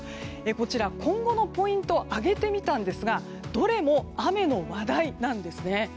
こちら、今後のポイント挙げてみたんですがどれも雨の話題なんですね。